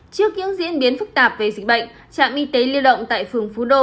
trước những diễn biến phức tạp về dịch bệnh trạm y tế lưu động tại phường phú đô